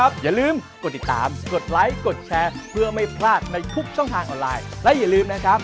สวัสดีครับ